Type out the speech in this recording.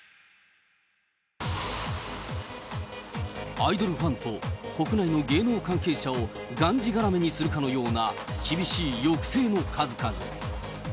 アイドルファンと国内の芸能関係者をがんじがらめにするかのような、厳しい抑制の数々。